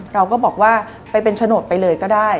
เราก็บอกว่าไปเป็นโฉนดไปเลยก็ได้